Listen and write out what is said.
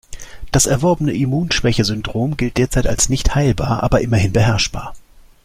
Das erworbene Immunschwächesyndrom gilt derzeit als nicht heilbar, aber immerhin beherrschbar.